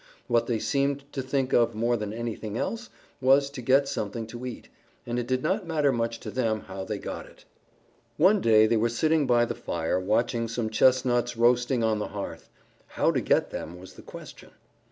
What they seemed to think of more than anything else was to get something to eat, and it did not matter much to them how they got it. One day they were sitting by the fire, watching some chestnuts roasting on the hearth. How to get them was the question.